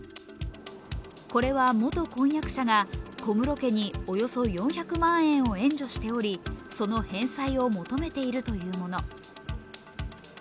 これは元婚約者が小室家におよそ４００万円を援助しており、その返済を求めているというもの。